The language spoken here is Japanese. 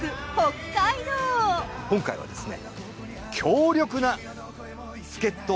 今回はですね。